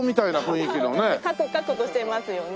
カクカクとしていますよね。